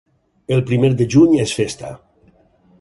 El primer de juny és festa.